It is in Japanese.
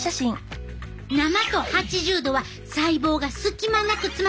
生と８０℃は細胞が隙間なく詰まってるやろ？